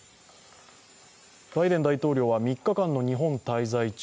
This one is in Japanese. バイデン大統領は３日間の日本滞在中、